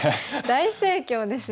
大盛況ですよね。